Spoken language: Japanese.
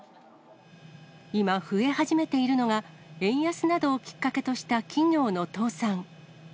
今、増え始めているのが、円安などをきっかけとした企業の倒産。